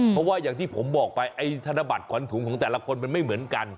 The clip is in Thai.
เพราะว่าอย่างที่ผมบอกไปไอ้ธนบัตรขวัญถุงของแต่ละคนมันไม่เหมือนกัน